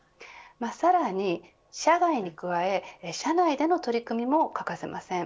さらに、社外に加え社内での取り組みも欠かせません。